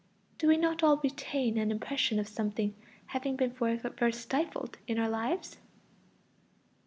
Do we not all retain an impression of something having been forever stifled in our lives?